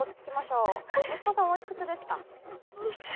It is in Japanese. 息子さんおいくつですか？